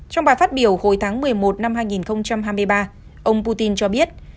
trong bài phát biểu hồi tháng một mươi một năm hai nghìn hai mươi ba ông putin cho biết